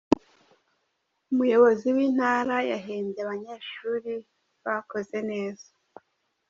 Umuyobozi wintara yahembye abanyeshuri bakoze neza